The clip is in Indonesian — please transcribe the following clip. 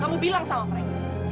kamu bilang sama mereka